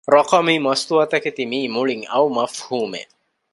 ރަޤަމީ މަސްތުވާ ތަކެތި މިއީ މުޅިން އައު މަފްހޫމެއް